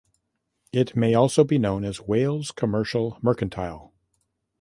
It may also be known as Wales Commercial Mercantile.